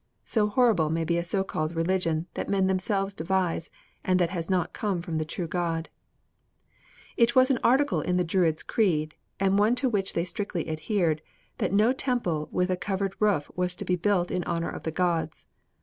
So horrible may be a so called religion that men themselves devise, and that has not come from the true God. [Illustration: DRUIDIC SACRIFICE.] "It was an article in the Druids' creed, and one to which they strictly adhered, that no temple with a covered roof was to be built in honor of the gods.